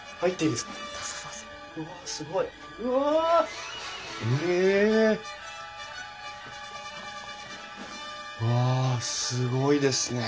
うわすごいですね。